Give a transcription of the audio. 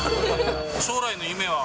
将来の夢は？